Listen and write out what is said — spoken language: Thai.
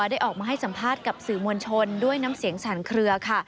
ได้ออกมาให้สัมภาษณ์กับสื่อมวลชนด้วยน้ำเสียงสั่นเคลือค่ะ